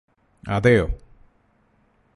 അതെയോ